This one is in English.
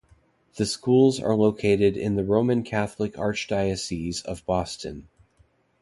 The schools are located in the Roman Catholic Archdiocese of Boston.